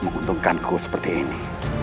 menguntungkanku seperti ini